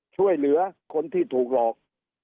ช่วยเหลือคนที่ถูกหลอก